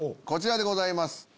こちらでございます。